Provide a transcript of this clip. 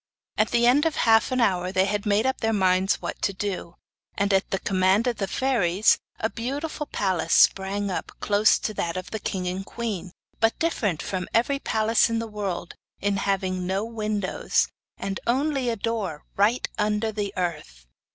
At the end of half an hour they had made up their minds what to do, and at the command of the fairies, a beautiful palace sprang up, close to that of the king and queen, but different from every palace in the world in having no windows, and only a door right under the earth.